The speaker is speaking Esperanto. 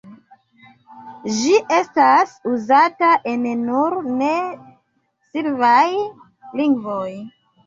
Ĝi estas uzata en nur ne slavaj lingvoj.